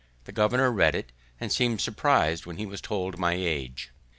The governor read it, and seem'd surpris'd when he was told my age.